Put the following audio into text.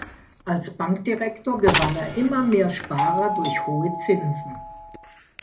Als Bankdirektor gewann er immer mehr Sparer durch hohe Zinsen.